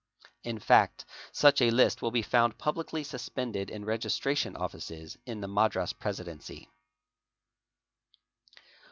In fact such a list will be found publicly suspended in Registration Offices in the Madras Presidency.